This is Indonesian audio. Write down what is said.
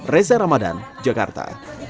reza ramadan jakarta